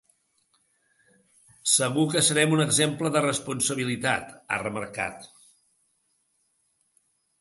Segur que serem un exemple de responsabilitat, ha remarcat.